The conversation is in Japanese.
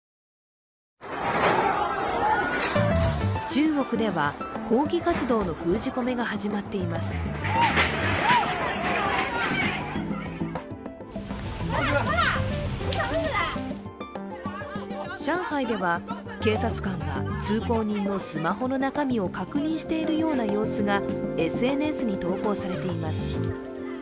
中国では抗議活動の封じ込めが始まっています上海では、警察官が通行人のスマホの中身を確認しているような様子がＳＮＳに投稿されています。